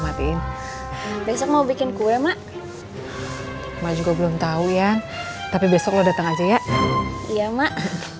matiin besok mau bikin kue mak mak juga belum tahu ya tapi besok lo datang aja ya mak